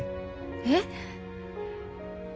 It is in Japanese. えっ？